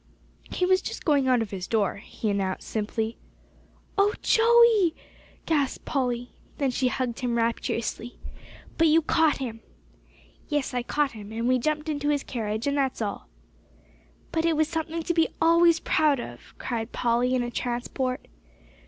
"He was just going out of his door," he announced simply. "Oh Joey!" gasped Polly. Then she hugged him rapturously. "But you caught him." "Yes, I caught him, and we jumped into his carriage; and that's all." "But it was something to be always proud of," cried Polly, in a transport.